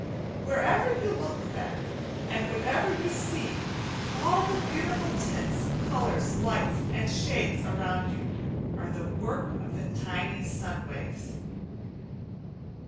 Wherever you look, then, and whatever you see, all the beautiful tints, colours, lights, and shades around you are the work of the tiny sun waves.